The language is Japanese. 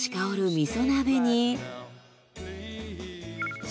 みそ鍋に。